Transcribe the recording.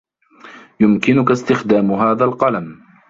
يمكنك استخدام هذا القلم